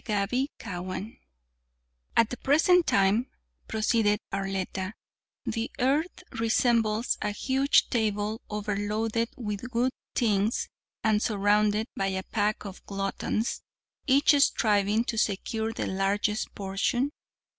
CHAPTER XIII "At the present time," proceeded Arletta, "the earth resembles a huge table over loaded with good things and surrounded by a pack of gluttons each striving to secure the largest portion.